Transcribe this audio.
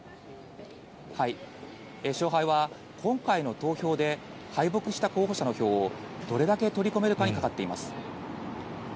勝敗は、今回の投票で敗北した候補者の票をどれだけ取り込めるかにかかっています。